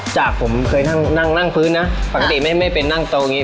จากผมเคยนั่งนั่งพื้นนะปกติไม่เป็นนั่งทรงอย่างนี้